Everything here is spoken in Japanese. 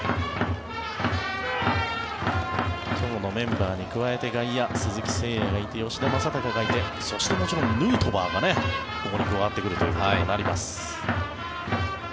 今日のメンバーに加えて外野、鈴木誠也吉田正尚がいてそしてもちろんヌートバーがここに加わってくることになります。